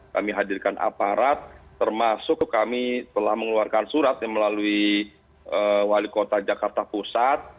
kami hadirkan aparat termasuk kami telah mengeluarkan surat melalui wali kota jakarta pusat